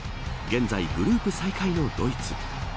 現在グループ最下位のドイツ。